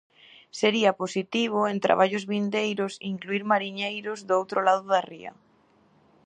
Sería positivo en traballos vindeiros incluír mariñeiros do outro lado da ría.